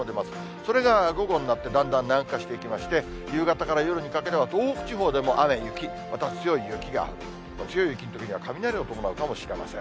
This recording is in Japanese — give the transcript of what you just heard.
それが午後になって、だんだん南下していきまして、夕方から夜にかけては、東北地方でも雨、雪、また強い雪が、強い雪のときは、雷を伴うかもしれません。